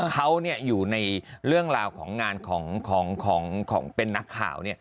เขาอยู่ในเรื่องราวของงานของเป็นนักข่าว